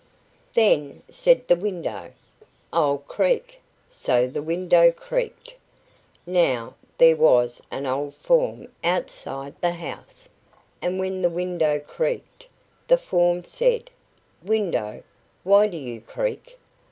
"Then," said the window, "I'll creak." So the window creaked. Now there was an old form outside the house, and when the window creaked, the form said: "Window, why do you creak?"